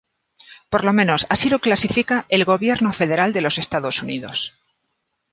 Por lo menos así lo clasifica el gobierno federal de los Estados Unidos.